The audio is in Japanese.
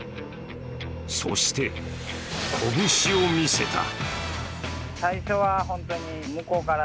そして、拳を見せた。